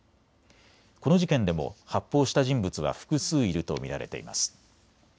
この事件でも発砲した人物は複数いると見られています。